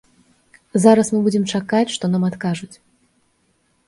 Зараз мы будзем чакаць, што нам адкажуць.